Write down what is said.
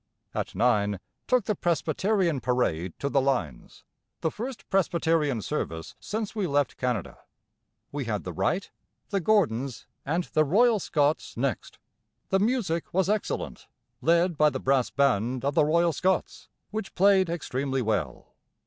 At nine took the Presbyterian parade to the lines, the first Presbyterian service since we left Canada. We had the right, the Gordons and the Royal Scots next. The music was excellent, led by the brass band of the Royal Scots, which played extremely well.